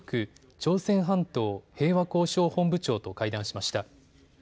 朝鮮半島平和交渉本部長と会談しました。